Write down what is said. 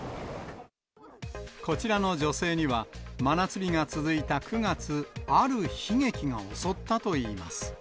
こちらの女性には、真夏日が続いた９月、ある悲劇が襲ったといいます。